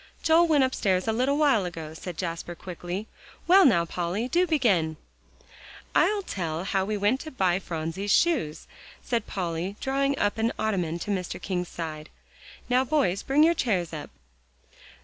"Joel went upstairs a little while ago," said Jasper quickly. "Well, now, Polly, do begin." "I'll tell how we went to buy Phronsie's shoes," said Polly, drawing up an ottoman to Mr. King's side. "Now, boys, bring your chairs up."